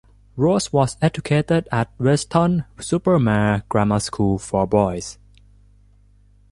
Rose was educated at Weston-super-Mare Grammar School for Boys.